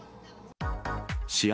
試合